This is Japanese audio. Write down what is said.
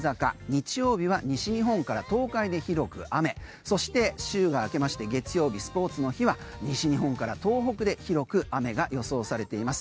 日曜日は西日本から東海で広く雨そして週が明けまして月曜日、スポーツの日は西日本から東北で広く雨が予想されています。